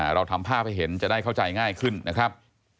เราทำภาพให้เห็นจะได้เข้าใจง่ายขึ้นนะครับ